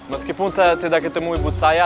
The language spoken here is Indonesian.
meskipun saya tidak ketemu ibu saya